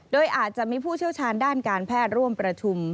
โดยอาจจะมีผู้เชี่ยวชาญด้านการแพทย์ร่วมประชุม